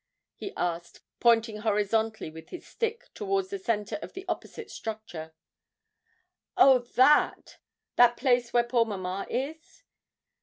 he asked, pointing horizontally with his stick towards the centre of the opposite structure. 'Oh, that that place where poor mamma is?'